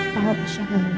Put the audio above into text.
tapan usaha bapak